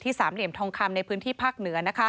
สามเหลี่ยมทองคำในพื้นที่ภาคเหนือ